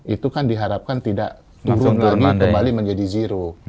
itu kan diharapkan tidak turun lagi kembali menjadi zero